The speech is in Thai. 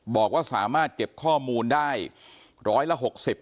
บอกว่าสามารถเก็บข้อมูลได้ร้อยละ๖๐